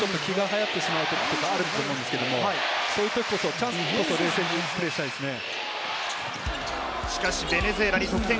気がはやってしまうときとかあると思うんですけれども、そういうときこそ冷静にプレーしたいですね。